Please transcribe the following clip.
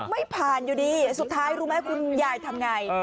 ไม่ผ่านอยู่ดีสุดท้ายรู้ไหมคุณยายทำไง